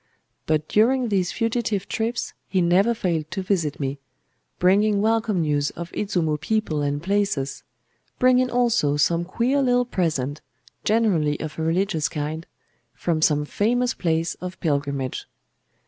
But during these fugitive trips he never failed to visit me; bringing welcome news of Izumo people and places,—bringing also some queer little present, generally of a religious kind, from some famous place of pilgrimage.